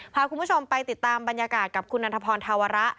พาคุณผู้ชมไปติดตามบรรยากาศกับคุณนันทพรธาวระ